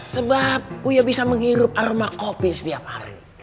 sebab ia bisa menghirup aroma kopi setiap hari